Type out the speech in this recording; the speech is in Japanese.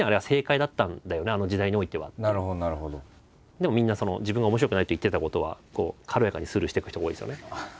でもみんな自分が「面白くない」って言ってたことは軽やかにスルーしていく人が多いんですよね。